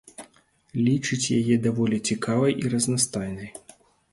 Лічыць яе даволі цікавай і разнастайнай.